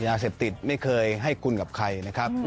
ยาเสพติดไม่เคยให้คุณกับใครนะครับ